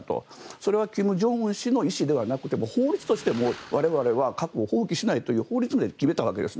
それは金正恩氏の意思ではなく法律として我々は核を放棄しないという法律まで決めたわけです。